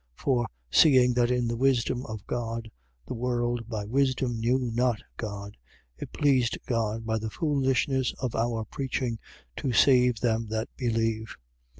1:21. For, seeing that in the wisdom of God, the world, by wisdom, knew not God, it pleased God, by the foolishness of our preaching, to save them that believe.